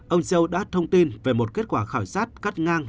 ông seo đã thông tin về một kết quả khảo sát cắt ngang